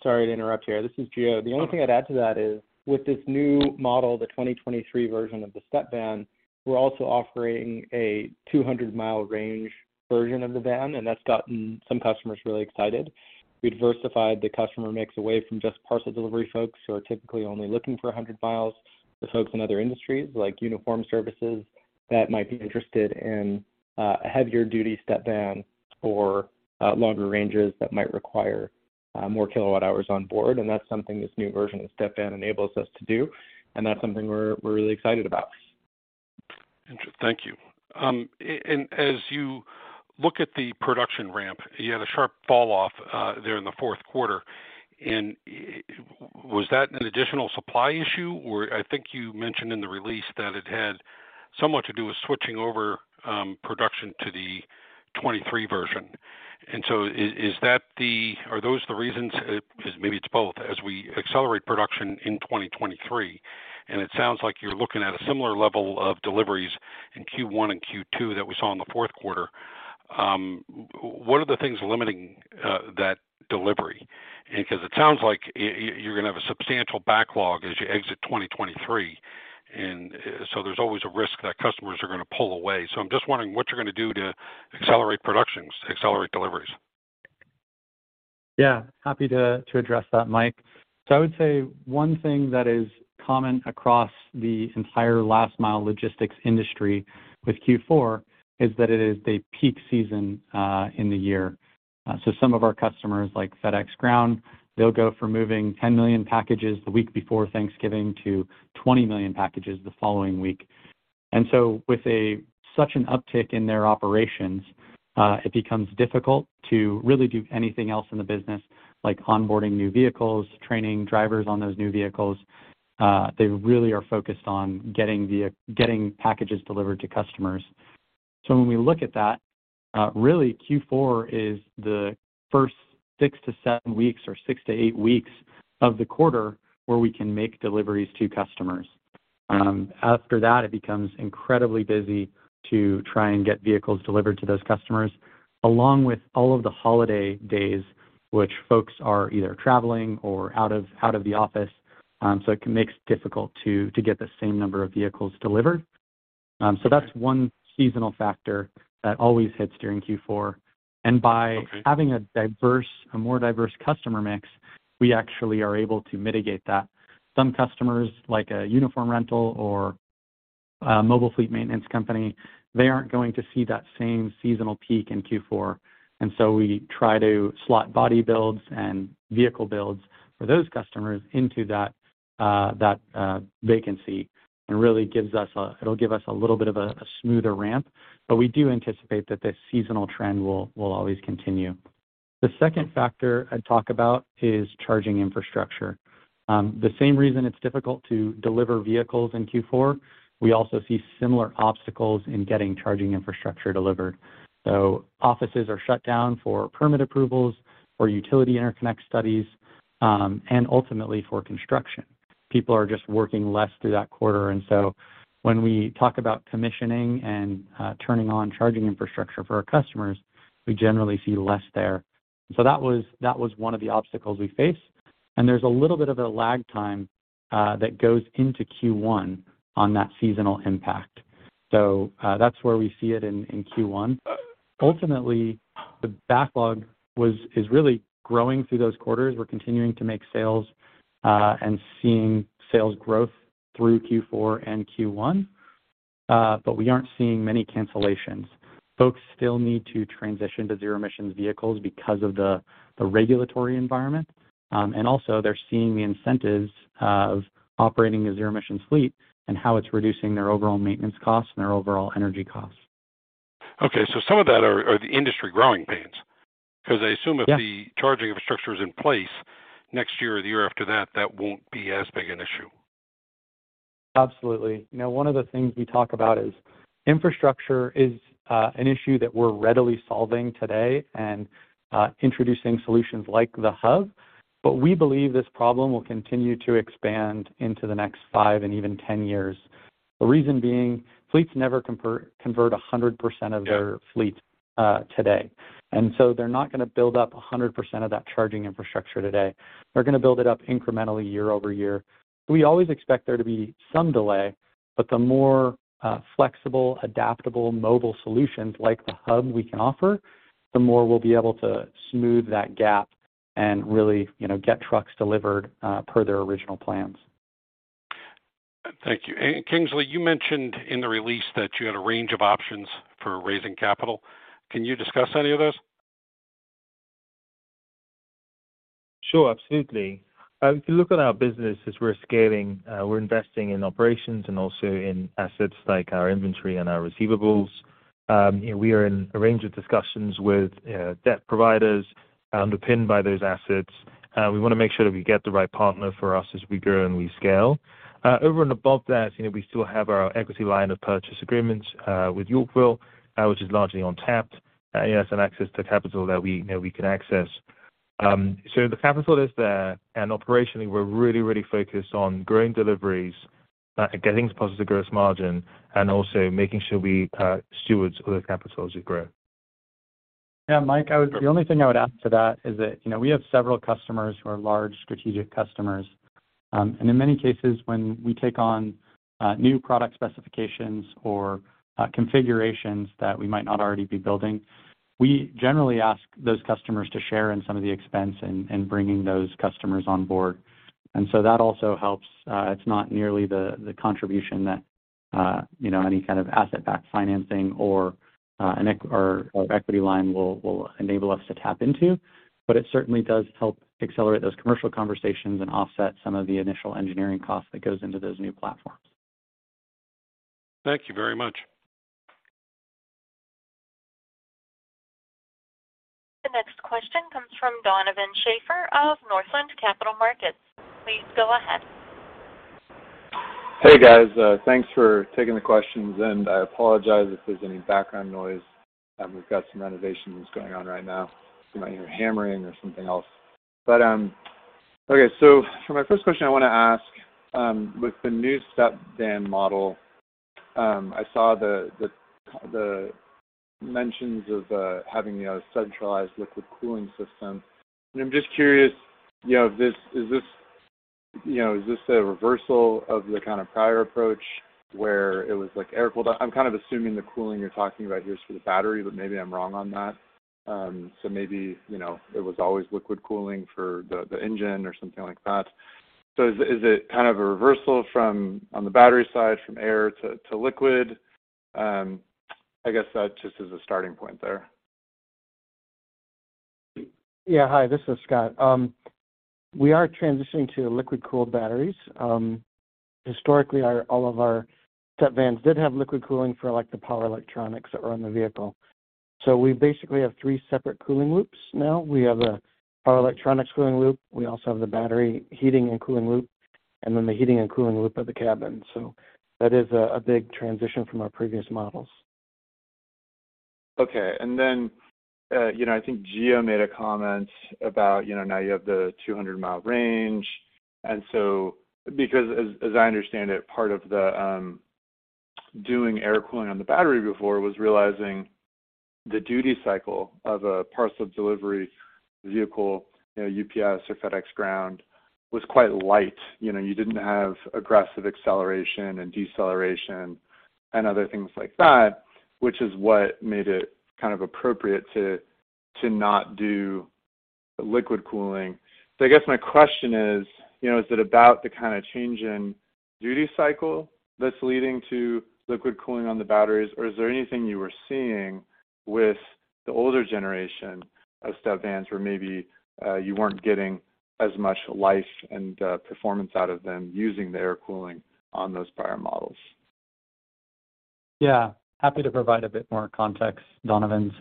Sorry to interrupt here. This is Gio. Oh. The only thing I'd add to that is with this new model, the 2023 version of the Stepvan, we're also offering a 200-mile range version of the van, and that's gotten some customers really excited. We diversified the customer mix away from just parcel delivery folks who are typically only looking for 100 miles, to folks in other industries, like uniform services, that might be interested in a heavier duty Stepvan for longer ranges that might require more kilowatt hours on board, and that's something this new version of Stepvan enables us to do, and that's something we're really excited about. Thank you. As you look at the production ramp, you had a sharp fall off there in the fourth quarter. Was that an additional supply issue? I think you mentioned in the release that it had somewhat to do with switching over production to the 23 version. Are those the reasons? 'Cause maybe it's both. As we accelerate production in 2023, it sounds like you're looking at a similar level of deliveries in Q1 and Q2 that we saw in the fourth quarter, what are the things limiting that delivery? 'Cause it sounds like you're gonna have a substantial backlog as you exit 2023, there's always a risk that customers are gonna pull away. I'm just wondering what you're gonna do to accelerate productions, accelerate deliveries. Happy to address that, Mike. I would say one thing that is common across the entire last mile logistics industry with Q4 is that it is the peak season in the year. Some of our customers, like FedEx Ground, they'll go from moving 10 million packages the week before Thanksgiving to 20 million packages the following week. With such an uptick in their operations, it becomes difficult to really do anything else in the business like onboarding new vehicles, training drivers on those new vehicles. They really are focused on getting packages delivered to customers. When we look at that, really Q4 is the first 6 - 7 weeks or 6 - 8 weeks of the quarter where we can make deliveries to customers. After that, it becomes incredibly busy to try and get vehicles delivered to those customers along with all of the holiday days which folks are either traveling or out of the office, it can makes difficult to get the same number of vehicles delivered. That's one seasonal factor that always hits during Q4. Okay. By having a more diverse customer mix, we actually are able to mitigate that. Some customers, like a uniform rental or a mobile fleet maintenance company, they aren't going to see that same seasonal peak in Q4. we try to slot body builds and vehicle builds for those customers into that vacancy. It really gives us a little bit of a smoother ramp, but we do anticipate that this seasonal trend will always continue. The second factor I'd talk about is charging infrastructure. The same reason it's difficult to deliver vehicles in Q4, we also see similar obstacles in getting charging infrastructure delivered. Offices are shut down for permit approvals or utility interconnect studies, and ultimately for construction. People are just working less through that quarter. When we talk about commissioning and turning on charging infrastructure for our customers, we generally see less there. That was one of the obstacles we face. There's a little bit of a lag time that goes into Q1 on that seasonal impact. That's where we see it in Q1. Ultimately, the backlog is really growing through those quarters. We're continuing to make sales and seeing sales growth through Q4 and Q1, but we aren't seeing many cancellations. Folks still need to transition to zero emissions vehicles because of the regulatory environment. Also they're seeing the incentives of operating a zero-emission fleet and how it's reducing their overall maintenance costs and their overall energy costs. Okay. some of that are the industry growing pains. Yeah. 'Cause I assume if the charging infrastructure is in place next year or the year after that won't be as big an issue. Absolutely. One of the things we talk about is infrastructure is an issue that we're readily solving today and introducing solutions like the hub, but we believe this problem will continue to expand into the next five and even ten years. The reason being fleets never convert 100% of their. Yeah... fleet, today. They're not gonna build up 100% of that charging infrastructure today. They're gonna build it up incrementally year-over-year. We always expect there to be some delay, but the more flexible, adaptable mobile solutions like the hub we can offer, the more we'll be able to smooth that gap and really, you know, get trucks delivered per their original plans. Thank you. Kingsley, you mentioned in the release that you had a range of options for raising capital. Can you discuss any of those? Sure. Absolutely. If you look at our business as we're scaling, we're investing in operations and also in assets like our inventory and our receivables. We are in a range of discussions with debt providers underpinned by those assets. We wanna make sure that we get the right partner for us as we grow and we scale. Over and above that, you know, we still have our equity line of purchase agreements with Yorkville, which is largely untapped as an access to capital that we, you know, we can access. The capital is there, and operationally, we're really, really focused on growing deliveries, getting positive gross margin, and also making sure we steward the capital as we grow. Yeah, Mike. Sure. The only thing I would add to that is that, you know, we have several customers who are large strategic customers. In many cases, when we take on new product specifications or configurations that we might not already be building, we generally ask those customers to share in some of the expense in bringing those customers on board. That also helps. It's not nearly the contribution that, you know, any kind of asset-backed financing or equity line will enable us to tap into, but it certainly does help accelerate those commercial conversations and offset some of the initial engineering costs that goes into those new platforms. Thank you very much. The next question comes from Donovan Schafer of Northland Capital Markets. Please go ahead. Hey guys. Thanks for taking the questions. I apologize if there's any background noise. We've got some renovations going on right now. You might hear hammering or something else. Okay, so for my first question, I wanna ask, with the new stepvan model, I saw the mentions of having a centralized liquid cooling system. I'm just curious, you know, is this, you know, is this a reversal of the kinda prior approach where it was, like, air-cooled? I'm kind of assuming the cooling you're talking about here is for the battery, but maybe I'm wrong on that. So maybe, you know, it was always liquid cooling for the engine or something like that. Is, is it kind of a reversal from, on the battery side, from air to liquid? I guess that just as a starting point there. Yeah. Hi, this is Scott. We are transitioning to liquid-cooled batteries. Historically, all of our stepvans did have liquid cooling for, like, the power electronics that were on the vehicle. We basically have three separate cooling loops now. We have a power electronics cooling loop, we also have the battery heating and cooling loop, and then the heating and cooling loop of the cabin. That is a big transition from our previous models. Then, you know, I think Gio made a comment about, you know, now you have the 200-mile range. As I understand it, part of the doing air cooling on the battery before was realizing the duty cycle of a parcel delivery vehicle, you know, UPS or FedEx Ground, was quite light. You know, you didn't have aggressive acceleration and deceleration and other things like that, which is what made it kind of appropriate to not do liquid cooling. I guess my question is, you know, is it about the kinda change in duty cycle that's leading to liquid cooling on the batteries? Is there anything you were seeing with the older generation of stepvans where maybe you weren't getting as much life and performance out of them using the air cooling on those prior models? Yeah. Happy to provide a bit more context, Donovan.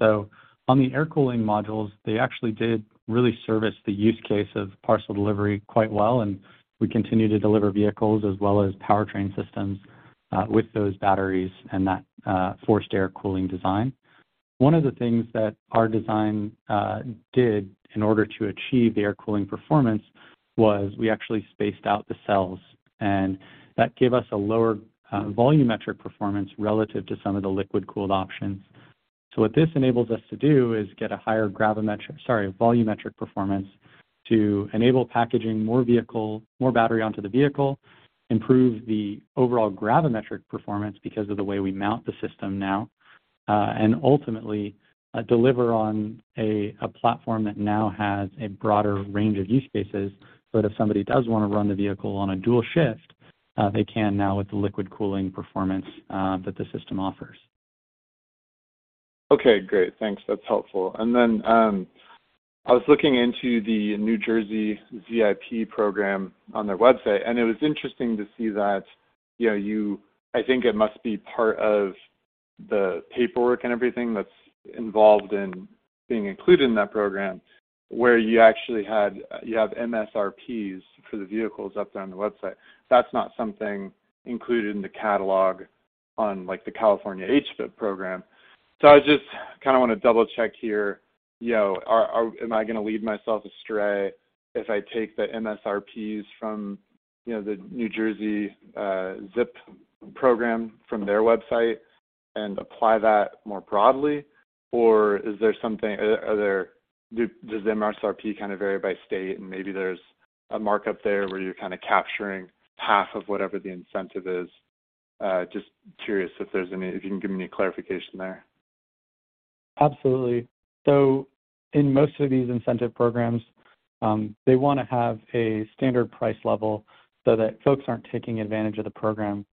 On the air cooling modules, they actually did really service the use case of parcel delivery quite well, and we continue to deliver vehicles as well as powertrain systems with those batteries and that forced air cooling design. One of the things that our design did in order to achieve the air cooling performance was we actually spaced out the cells, and that gave us a lower volumetric performance relative to some of the liquid-cooled options. What this enables us to do is get a higher volumetric performance to enable packaging more vehicle, more battery onto the vehicle, improve the overall gravimetric performance because of the way we mount the system now, and ultimately deliver on a platform that now has a broader range of use cases. If somebody does wanna run the vehicle on a dual shift, they can now with the liquid cooling performance that the system offers. Okay, great. Thanks. That's helpful. I was looking into the New Jersey ZIP program on their website, and it was interesting to see that, you know, you I think it must be part of the paperwork and everything that's involved in being included in that program, where you actually had, you have MSRPs for the vehicles up there on the website. That's not something included in the catalog on, like, the California HVIP program. I just kinda wanna double-check here, you know, am I gonna lead myself astray if I take the MSRPs from, you know, the New Jersey ZIP program from their website and apply that more broadly? Is there something Are there does the MSRP kinda vary by state and maybe there's a markup there where you're kinda capturing half of whatever the incentive is? Just curious if you can give me any clarification there. Absolutely. In most of these incentive programs, they wanna have a standard price level so that folks aren't taking advantage of the program.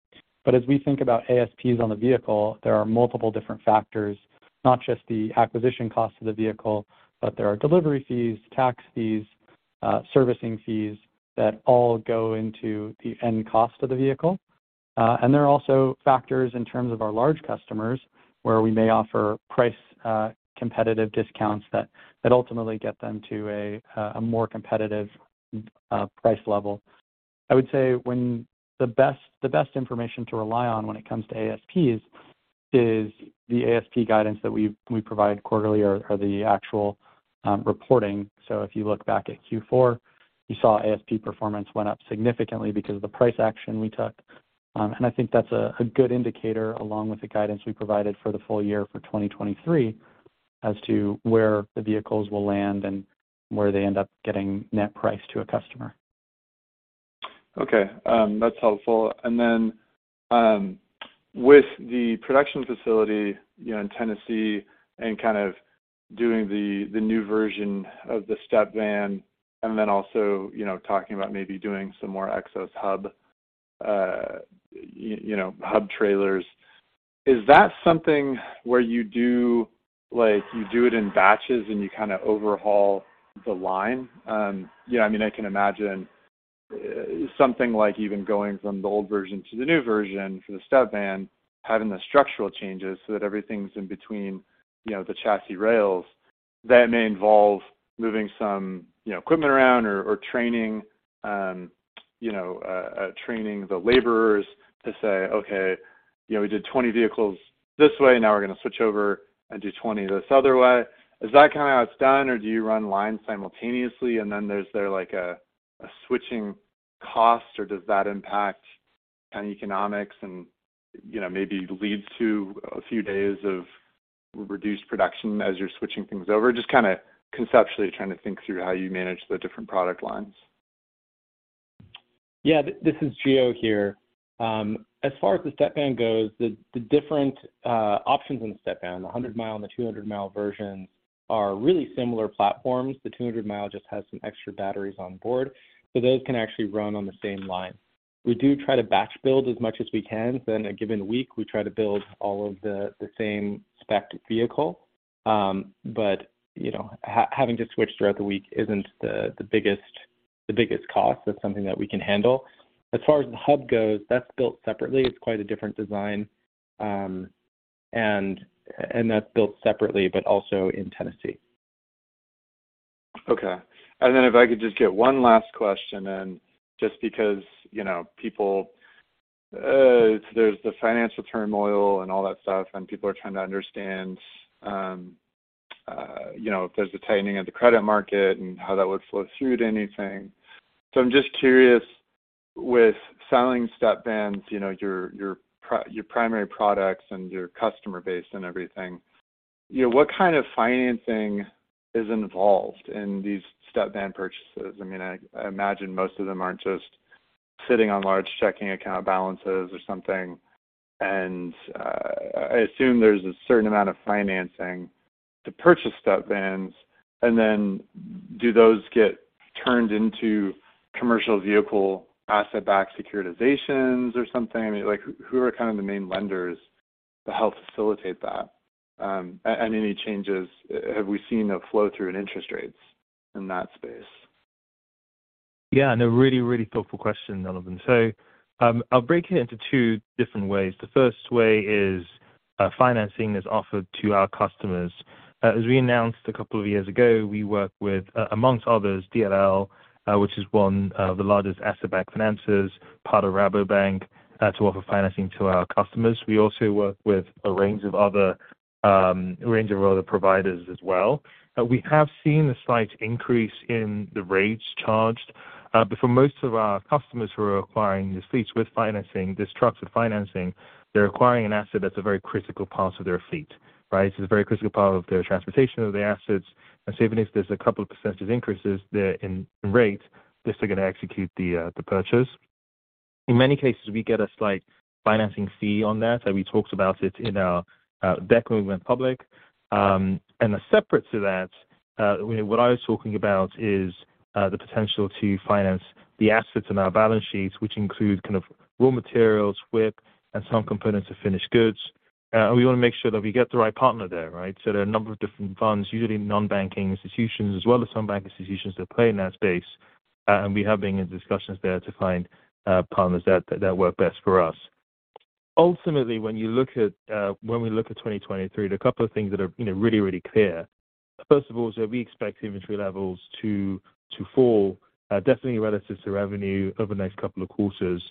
As we think about ASPs on the vehicle, there are multiple different factors. Not just the acquisition cost of the vehicle, but there are delivery fees, tax fees, servicing fees that all go into the end cost of the vehicle. There are also factors in terms of our large customers, where we may offer price competitive discounts that ultimately get them to a more competitive price level. I would say when the best information to rely on when it comes to ASPs is the ASP guidance that we provide quarterly or the actual reporting. If you look back at Q4, you saw ASP performance went up significantly because of the price action we took. And I think that's a good indicator along with the guidance we provided for the full year for 2023 as to where the vehicles will land and where they end up getting net priced to a customer. Okay. That's helpful. With the production facility, you know, in Tennessee and kind of doing the new version of the stepvan and then also, you know, talking about maybe doing some more Xos Hub, you know, hub trailers, is that something where you do it in batches and you kinda overhaul the line? You know, I mean, I can imagine something like even going from the old version to the new version for the Stepvan, having the structural changes so that everything's in between, you know, the chassis rails, that may involve moving some, you know, equipment around or training, you know, training the laborers to say, "Okay, you know, we did 20 vehicles this way, now we're gonna switch over and do 20 this other way." Is that kinda how it's done, or do you run lines simultaneously, and then there's like a switching cost, or does that impact on economics and, you know, maybe lead to a few days of reduced production as you're switching things over? Just kinda conceptually trying to think through how you manage the different product lines. This is Gio here. As far as the Xos Stepvan goes, the different options in the Xos Stepvan, the 100-mile and the 200-mile versions are really similar platforms. The 200-mile just has some extra batteries on board, so those can actually run on the same line. We do try to batch build as much as we can. Within a given week, we try to build all of the same spec vehicle. You know, having to switch throughout the week isn't the biggest cost. That's something that we can handle. As far as the Xos Hub goes, that's built separately. It's quite a different design. That's built separately, but also in Tennessee. Okay. If I could just get one last question in, just because, you know, people, there's the financial turmoil and all that stuff, and people are trying to understand, you know, if there's a tightening of the credit market and how that would flow through to anything. I'm just curious with selling stepvans, you know, your primary products and your customer base and everything, you know, what kind of financing is involved in these stepvan purchases? I mean, I imagine most of them aren't just sitting on large checking account balances or something. I assume there's a certain amount of financing to purchase stepvans. Do those get turned into commercial vehicle asset-backed securitizations or something? I mean, like, who are kind of the main lenders to help facilitate that? any changes have we seen a flow through in interest rates in that space? Yeah, a really thoughtful question, Donovan. I'll break it into two different ways. The first way is, financing is offered to our customers. As we announced a couple of years ago, we work with, amongst others, DLL, which is one of the largest asset-backed financers, part of Rabobank, to offer financing to our customers. We also work with a range of other providers as well. We have seen a slight increase in the rates charged. For most of our customers who are acquiring these fleets with financing, this trucks with financing, they're acquiring an asset that's a very critical part of their fleet, right? It's a very critical part of their transportation of their assets. Even if there's a couple of percentage increases there in rate, they're still gonna execute the purchase. In many cases, we get a slight financing fee on that, and we talked about it in our deck when we went public. Then separate to that, you know, what I was talking about is the potential to finance the assets in our balance sheets, which include kind of raw materials, WIP, and some components of finished goods. We wanna make sure that we get the right partner there, right? There are a number of different funds, usually non-banking institutions as well as some bank institutions that play in that space. We are having discussions there to find partners that work best for us. Ultimately, when you look at, when we look at 2023, there are a couple of things that are, you know, really, really clear. First of all is that we expect inventory levels to fall, definitely relative to revenue over the next couple of quarters.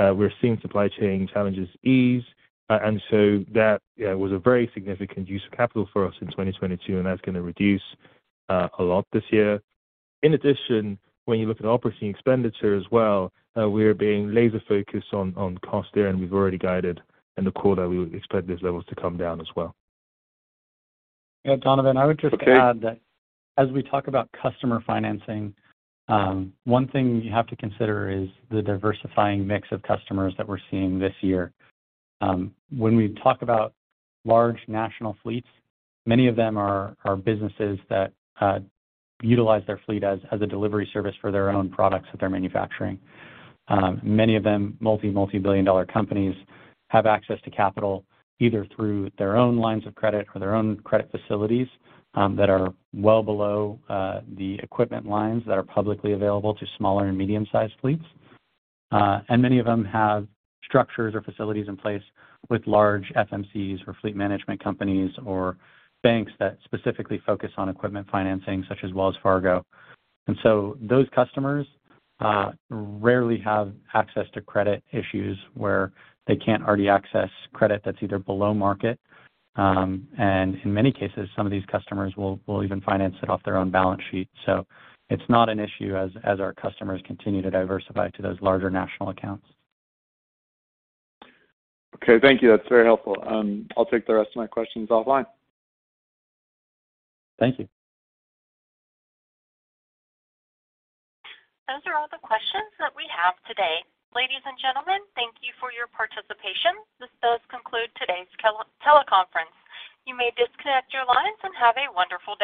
We're seeing supply chain challenges ease. That, yeah, was a very significant use of capital for us in 2022, and that's gonna reduce a lot this year. In addition, when you look at OpEx as well, we are being laser focused on cost there, and we've already guided in the quarter, we would expect those levels to come down as well. Yeah. Donovan, I would just add that- Okay. As we talk about customer financing, one thing you have to consider is the diversifying mix of customers that we're seeing this year. When we talk about large national fleets, many of them are businesses that utilize their fleet as a delivery service for their own products that they're manufacturing. Many of them, multi-billion dollar companies, have access to capital, either through their own lines of credit or their own credit facilities, that are well below the equipment lines that are publicly available to smaller and medium-sized fleets. Many of them have structures or facilities in place with large FMCs or fleet management companies or banks that specifically focus on equipment financing such as Wells Fargo. Those customers rarely have access to credit issues where they can't already access credit that's either below market, and in many cases, some of these customers will even finance it off their own balance sheet. It's not an issue as our customers continue to diversify to those larger national accounts. Okay. Thank you. That's very helpful. I'll take the rest of my questions offline. Thank you. Those are all the questions that we have today. Ladies and gentlemen, thank you for your participation. This does conclude today's teleconference. You may disconnect your lines, and have a wonderful day.